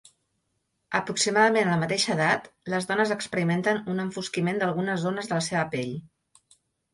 Aproximadament a la mateixa edat, les dones experimenten un enfosquiment d'algunes zones de la seva pell.